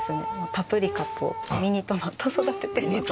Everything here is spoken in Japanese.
パプリカとミニトマト育ててます。